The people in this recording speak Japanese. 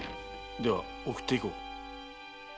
では送っていこう。